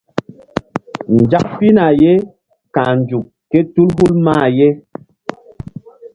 Nzak pihna ye ka̧h nzuk kétul hul mah ye.